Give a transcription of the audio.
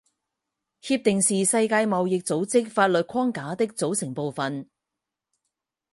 协定是世界贸易组织法律框架的组成部分。